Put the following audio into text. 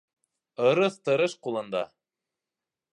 Ырыҫ тырыш ҡулында.